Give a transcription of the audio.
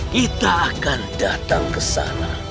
kita akan datang ke sana